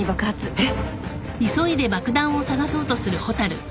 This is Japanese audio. えっ！？